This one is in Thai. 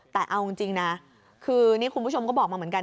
แต่เอาจริงนะคือนี่คุณผู้ชมก็บอกมาเหมือนกัน